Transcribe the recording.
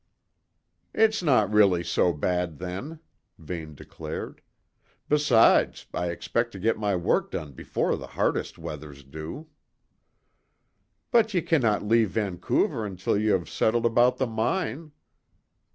"It's not really so bad then," Vane declared. "Besides, I expect to get my work done before the hardest weather's due." "But ye cannot leave Vancouver until ye have settled about the mine."